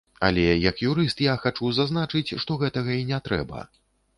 Але як юрыст я хачу зазначыць, што гэтага і не трэба.